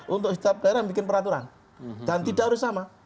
untuk setiap daerah membuat peraturan dan tidak harus sama